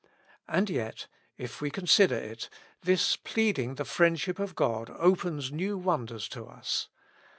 And yet, if we consider it, this pleading the friendship of God opens new wonders to us.